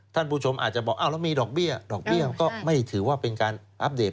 ท่านผู้ชมอาจจะบอกอ้าวแล้วมีดอกเบี้ยดอกเบี้ยก็ไม่ถือว่าเป็นการอัปเดต